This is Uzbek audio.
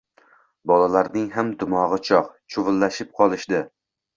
Bolalarning ham dimog‘i chog‘, chuvillab qolishdi.